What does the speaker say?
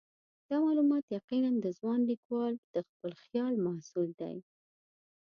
دا معلومات یقیناً د ځوان لیکوال د خپل خیال محصول دي.